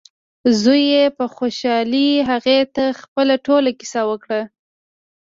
زوی یې په خوشحالۍ هغې ته خپله ټوله کیسه وکړه.